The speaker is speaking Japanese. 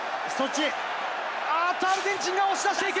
あっと、アルゼンチンが押し出していく！